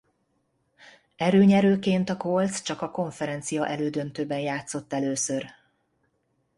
Erőnyerőként a Colts csak a konferencia-elődöntőben játszott először.